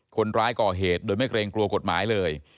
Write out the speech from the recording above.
คนร้ายก่อเหตุโดยไม่เกรงกลัวกฎหมายเลย